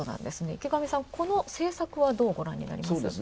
池上さん、この政策はどうご覧になりますか？